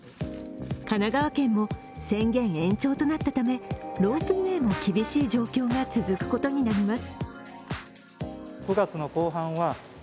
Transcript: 神奈川県も宣言延長となったためロープウェイも厳しい状況が続くことになります。